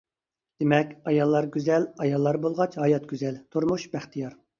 دېمەك، ئاياللار گۈزەل، ئاياللار بولغاچ ھايات گۈزەل، تۇرمۇش بەختىيار.